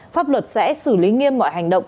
pháp luật sẽ xử lý nghiêm mọi hành động